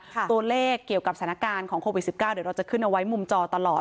ตัวเลขเกี่ยวกับสถานการณ์ของโควิด๑๙เดี๋ยวเราจะขึ้นเอาไว้มุมจอตลอด